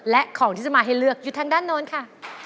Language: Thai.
และของที่จะมาให้เลือกอยู่ทางด้านโน้นค่ะ